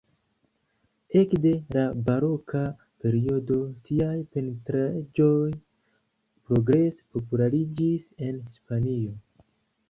Ekde la baroka periodo, tiaj pentraĵoj progrese populariĝis en Hispanio.